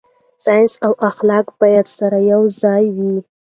ساينس او اخلاق باید سره یوځای وي.